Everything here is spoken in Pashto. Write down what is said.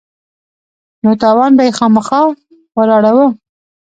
نو تاوان به يې خامخا وراړاوه.